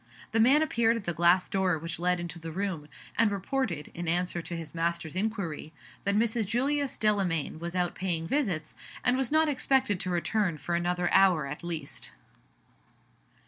The man appeared at the glass door which led into the room; and reported, in answer to his master's inquiry, that Mrs. Julius Delamayn was out paying visits, and was not expected to return for another hour at least.